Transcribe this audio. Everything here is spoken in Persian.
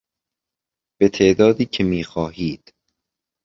به تعدادی که می خواهید